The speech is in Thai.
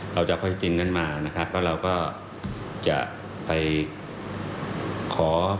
เราจะเข้าใจจริงมาเพราะเราจะไปขอ